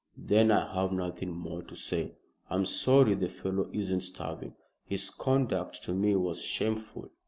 "Then I have nothing more to say. I'm sorry the fellow isn't starving. His conduct to me was shameful."